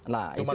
nah itu yang